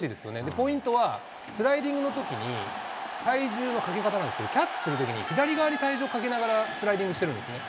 ポイントはスライディングのときに、体重のかけ方なんですけれども、キャッチするときに、左側に体重をかけながら、スライディングしてるんですね。